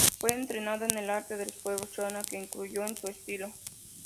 Fue entrenado en el arte de los pueblos Shona, que influyó en su estilo.